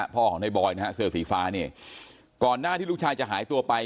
พ่อของนายบอยเสือสีฟ้าก่อนหน้าที่ลูกชายจะหายตัวไป